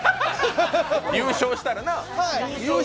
優勝したらなぁ。